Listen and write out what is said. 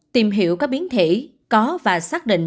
tìm hiểu các biến thể có và xác định